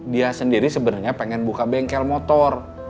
dia sendiri sebenarnya pengen buka bengkel motor